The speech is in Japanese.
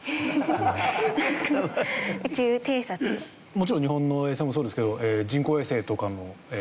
もちろん日本の衛星もそうですけど。